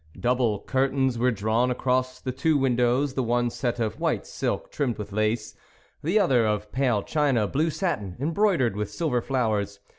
Double curtains were drawn across the two windows, the one set of white silk trimmed with lace, the other of pale china blue satin, embroidered with silver flowers.